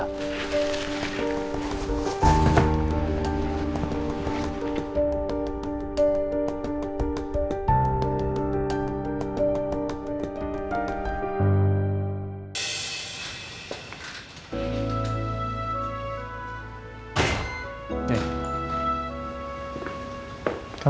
tapi nggak ah